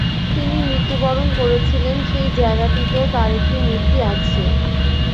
তিনি মৃত্যুবরণ করেছিলেন, সেই জায়গাটিতেও তার একটি মূর্তি আছে।